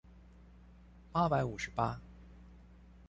八百五十八